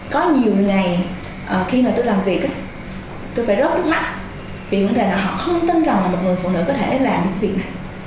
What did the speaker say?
có nhiều ngày khi mà tôi làm việc tôi phải rớt mắt vì vấn đề là họ không tin rằng là một người phụ nữ có thể làm việc này